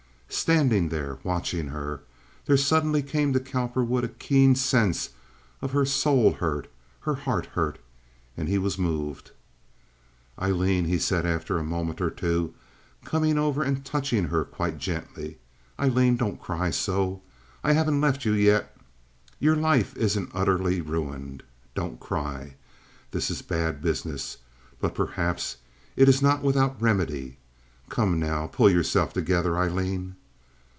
Standing there watching her, there suddenly came to Cowperwood a keen sense of her soul hurt, her heart hurt, and he was moved. "Aileen," he said, after a moment or two, coming over and touching her quite gently, "Aileen! Don't cry so. I haven't left you yet. Your life isn't utterly ruined. Don't cry. This is bad business, but perhaps it is not without remedy. Come now, pull yourself together, Aileen!"